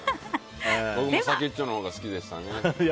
俺も先っちょのほうが好きでしたね。